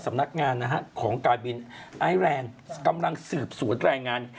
สำนักงานของการบินไอแรงกำลังสืบสวนแรงงาน